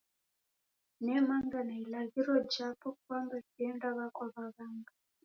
Nemanga na ilaghiro japo kwamba siendie kwa waghanga